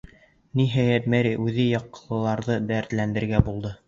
Ниһайәт, Мерри үҙе яҡлыларҙы дәртләндерергә булды.